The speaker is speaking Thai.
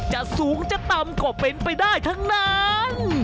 จะสูงจะต่ำก็เป็นไปได้ทั้งนั้น